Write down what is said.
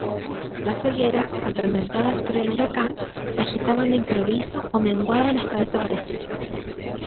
las hogueras, atormentadas por el huracán , se agitaban de improviso ó menguaban hasta desaparecer.